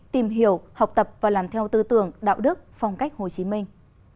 tìm hiểu học tập và làm theo tư tưởng đạo đức phong cách hồ chí minh